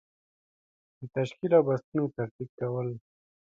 د تشکیل او بستونو ترتیب کول.